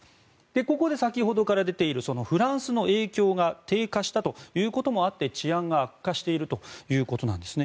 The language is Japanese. ここで先ほどから出ているフランスの影響が低下したということもあって治安が悪化しているということなんですね。